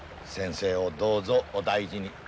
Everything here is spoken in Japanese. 先生をどうぞお大事に。